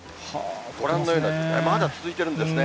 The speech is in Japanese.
ご覧のように、まだ続いてるんですね。